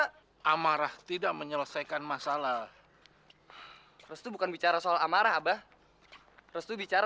hai amarah tidak menyelesaikan masalah restu bukan bicara soal amarah abah restu bicara